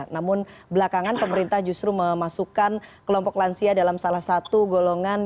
namun belakangan pemerintah justru memasukkan kelompok lansia dalam salah satu golongan